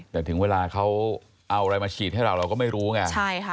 แต่ถึงเวลาเขาเอาอะไรมาฉีดให้เราเราก็ไม่รู้ไง